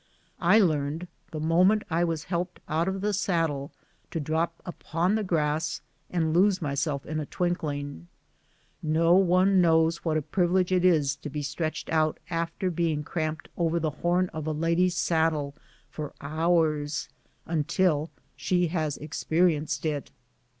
I learned, tlie moment I was helped out of the saddle, to drop upon the grass and lose myself in a twinkling. No one knows what a privilege it is to CAVALRY OX THE MARCn. 41 be stretclied out after being cramped over the horn of a lad}''s saddle for hours, until she has experienced it.